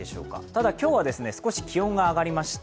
ただ、今日は少し気温が上がりました。